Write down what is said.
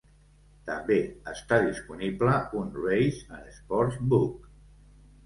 També està disponible un Race and Sports Book.